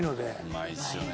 うまいですよね。